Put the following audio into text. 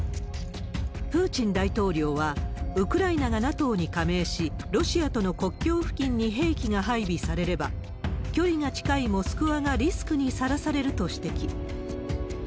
プーチン大統領はウクライナがＮＡＴＯに加盟し、ロシアとの国境付近に兵器が配備されれば、距離が近いモスクワがリスクにさらされると指摘。